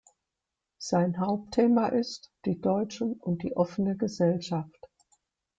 Sein Hauptthema ist „Die Deutschen und die offene Gesellschaft“.